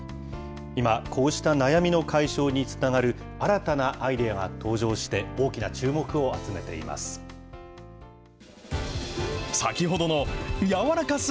今、こうした悩みの解消につながる、新たなアイデアが登場して、大きな注目を集めています。